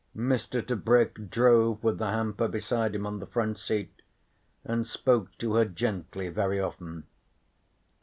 Mr. Tebrick drove with the hamper beside him on the front seat, and spoke to her gently very often.